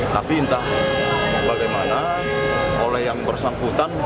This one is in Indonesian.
tapi entah oleh mana oleh yang bersangkutan